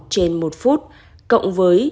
trên một phút cộng với